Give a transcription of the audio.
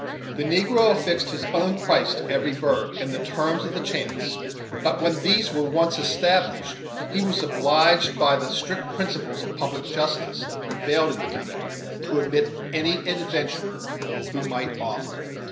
The negro affixed his own price to every bird, and the terms of the chance; but, when these were once established, he was obliged, by the strict principles of public justice that prevailed in the country, to admit any adventurer who might offer.